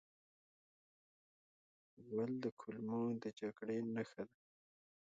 غول د کولمو د جګړې نښه ده.